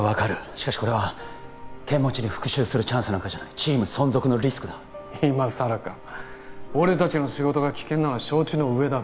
しかしこれは剣持に復讐するチャンスなんかじゃないチーム存続のリスクだ今さらか俺たちの仕事が危険なのは承知の上だろ